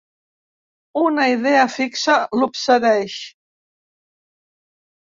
Una idea fixa l'obsedeix.